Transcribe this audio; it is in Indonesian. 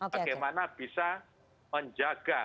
bagaimana bisa menjaga